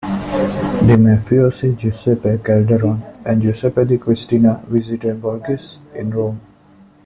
The mafiosi Giuseppe Calderone and Giuseppe Di Cristina visited Borghese in Rome.